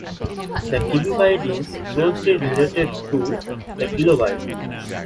The kibibyte is closely related to the kilobyte.